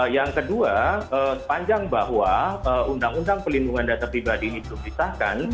yang kedua sepanjang bahwa undang undang pelindungan data pribadi ini belum disahkan